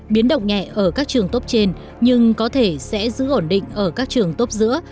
biến động nhẹ ở các trường tốt trên nhưng có thể sẽ giữ ổn định ở các trường tốt giữa